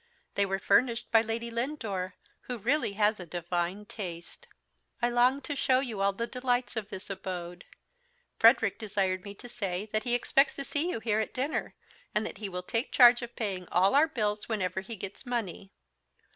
They were furnished by Lady Lindore, who really has a divine taste. I long to show you all the delights of this abode. Frederick desired me to say that he expects to see you here at dinner, and that he will take charge of paying all our bills whenever he gets money.